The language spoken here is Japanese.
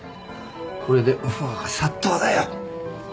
これでオファーが殺到だよ。